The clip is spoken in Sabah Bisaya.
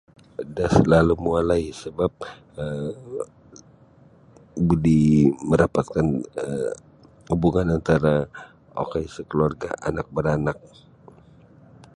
Da salalum walai sebap um buli marapatkan um hubungan antara okoi sakaluarga' anak baranak.